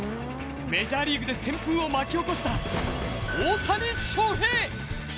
メジャーリーグで旋風を巻き起こした大谷翔平！